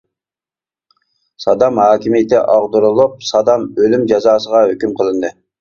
سادام ھاكىمىيىتى ئاغدۇرۇلۇپ، سادام ئۆلۈم جازاسىغا ھۆكۈم قىلىندى.